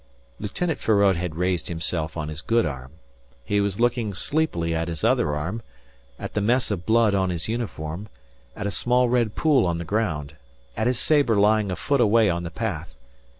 Lieutenant Feraud had raised himself on his good arm. He was looking sleepily at his other arm, at the mess of blood on his uniform, at a small red pool on the ground, at his sabre lying a foot away on the path.